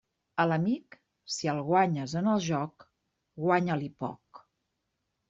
A l'amic, si el guanyes en el joc, guanya-li poc.